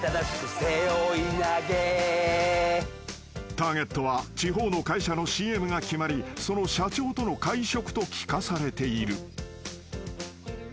［ターゲットは地方の会社のＣＭが決まりその社長との会食と聞かされている］